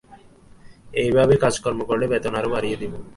এইভাবে কাজকর্ম করলে বেতন আরো বাড়িয়ে দিব।